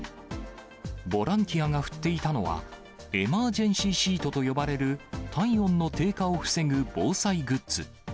ボランティアが振っていたのは、エマージェンシーシートと呼ばれる体温の低下を防ぐ防災グッズ。